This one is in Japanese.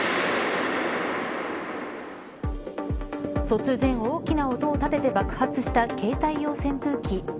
突然、大きな音をたてて爆発した携帯用扇風機。